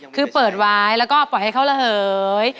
คือเปิดไว้แล้วก็ปล่อยให้เขาระเหย